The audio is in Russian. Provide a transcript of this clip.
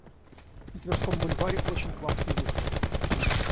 На Тверском бульваре очень к вам привыкли.